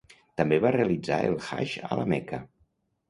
També va realitzar el Hajj a la Mecca.